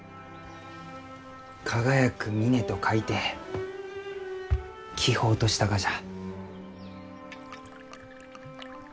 輝く峰と書いて輝峰としたがじゃ。